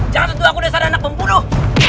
jangan tentu aku desa dan anak pembunuh